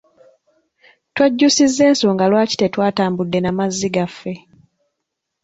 Twejjusizza ensonga lwaki tetwatambudde na mazzi gaffe.